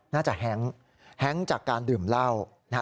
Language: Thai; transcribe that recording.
น่าจะแฮ้งแฮ้งจากการดื่มเหล้าะ